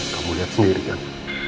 kamu lihat sendiri kan